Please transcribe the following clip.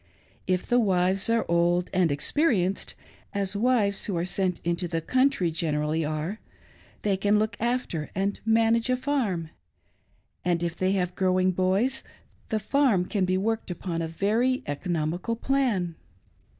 If the wives are old and expe rienced, as wives who are sent into the country generally ar€, they can then look after and manage a farm ; and if they have growing boys, the farm can be worked upon a very economical plan.